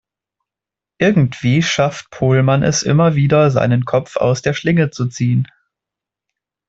Irgendwie schafft Pohlmann es immer wieder, seinen Kopf aus der Schlinge zu ziehen.